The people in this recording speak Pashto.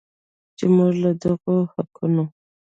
چې موږ له دغو حقونو